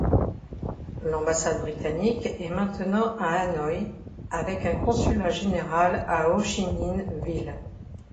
L'ambassade britannique est maintenant à Hanoi avec un consulat général à Ho Chi Minh-Ville.